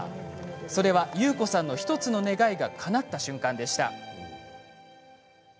それは優子さんの１つの願いがかなった瞬間でした。